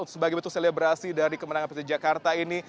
sebagai bentuk selebrasi dari kemenangan pt jakarta ini